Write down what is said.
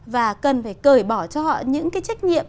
và cần phải cởi bỏ cho họ những cái trách nhiệm